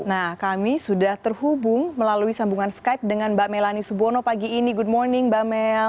nah kami sudah terhubung melalui sambungan skype dengan mbak melani subono pagi ini good morning mbak mel